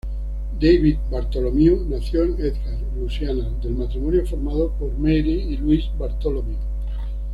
Davis Bartholomew nació en Edgard, Luisiana, del matrimonio formado por Mary y Louis Bartholomew.